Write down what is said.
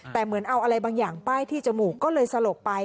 แต่เหมือนเอาอะไรบางอย่างป้ายที่จมูกก็เลยสลบไป